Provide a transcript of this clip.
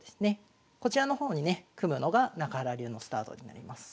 こちらの方にね組むのが中原流のスタートになります。